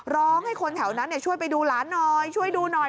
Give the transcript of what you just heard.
ร้องให้คนแถวนั้นช่วยไปดูหลานหน่อยช่วยดูหน่อย